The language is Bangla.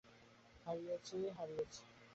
হারিয়েছি, হারিয়েছি।